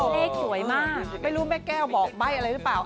เลขสวยมากไม่รู้แม่แก้วบอกใบ้อะไรหรือเปล่า